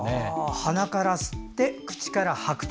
鼻から吸って口から吐くと。